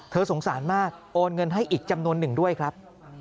สงสารมากโอนเงินให้อีกจำนวนหนึ่งด้วยครับ